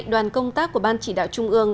đoàn công tác của ban chỉ đạo trung ương